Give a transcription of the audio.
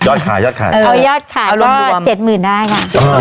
ยอดขายยอดขายเออยอดขายก็เจ็ดหมื่นบาทค่ะอ๋อ